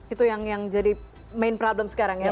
itu yang jadi main problem sekarang ya